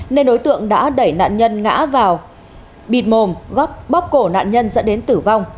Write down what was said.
nên đối tượng đã đẩy nạn nhân ngã vào bịt mồm góc bóp cổ nạn nhân dẫn đến tử vong